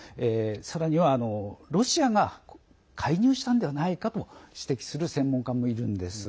さらにはロシアが介入したのではないかと指摘する専門家もいるんです。